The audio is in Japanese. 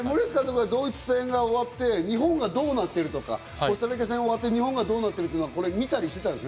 ドイツ戦が終わって日本がどうなってるとか、コスタリカ戦が終わって日本がどうなってるとか見たりしてたんですか？